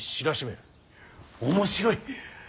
面白い。